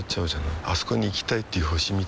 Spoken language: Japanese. あそこに行きたいっていう星みたいなもんでさ